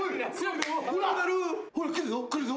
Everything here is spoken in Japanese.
ほら来るぞ来るぞ。